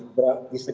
kita ketahui bersama